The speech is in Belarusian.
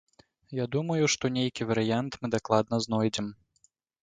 Я думаю, што нейкі варыянт мы дакладна знойдзем.